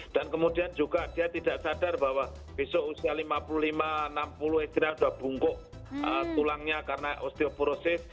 dan kemudian juga dia tidak sadar bahwa besok usia lima puluh lima enam puluh istri sudah bungkuk tulangnya karena osteoporosis